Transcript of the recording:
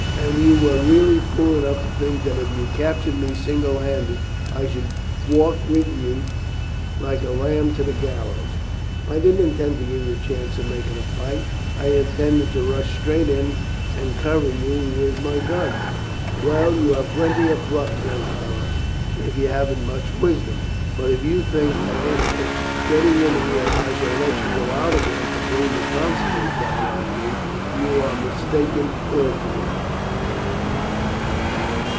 "And you were really fool enough to think that if you captured me single handed I should walk with you like a lamb to the gallows?" "I didn't intend to give you a chance of making a fight. I intended to rush straight in and covered you with my gun." "Well, you have plenty of pluck, young fellow, if you haven't much wisdom; but if you think that after getting in here, I shall let you go out again to bring the constables down on me you are mistaken altogether."